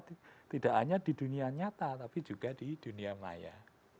tidak hanya di dunia nyata tapi juga di dunia maya